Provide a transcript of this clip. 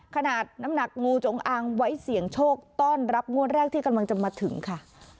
ขนาดน้ำหนักงูจงอางไว้เสี่ยงโชคต้อนรับงวดแรกที่กำลังจะมาถึงค่ะ